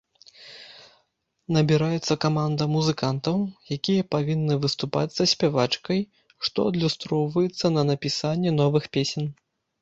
Набіраецца каманда музыкантаў, якія павінны выступаць са спявачкай, што адлюстроўваецца на напісанні новых песен.